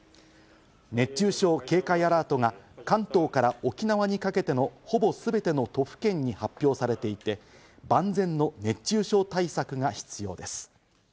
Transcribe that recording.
熱中症警戒アラートは関東から沖縄にかけてのほぼすべての都府県に発表されていて万全の熱中症対策が必要です。